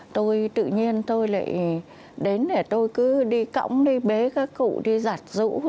tôi tự nhiên tôi lại đến để tôi cứ đi cõng đi bế các cụ đi giặt rũ